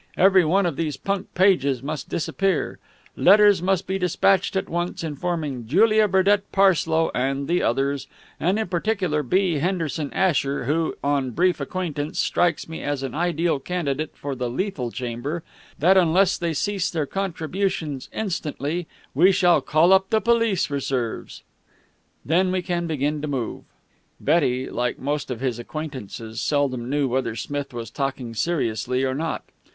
Every one of these punk pages must disappear. Letters must be despatched at once, informing Julia Burdett Parslow and the others, and in particular B. Henderson Asher, who, on brief acquaintance, strikes me as an ideal candidate for a lethal chamber that, unless they cease their contributions instantly, we shall call up the police reserves. Then we can begin to move." Betty, like most of his acquaintances, seldom knew whether Smith was talking seriously or not.